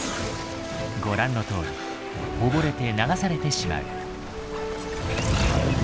ご覧のとおり溺れて流されてしまう。